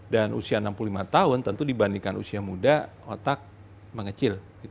dan usia enam puluh lima tahun tentu dibandingkan usia muda otak mengecil